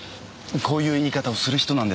こういう言い方をする人なんです。